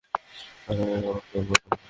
আরে আউল-ফাউল কথা বলে।